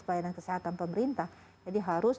pelayanan kesehatan pemerintah jadi harus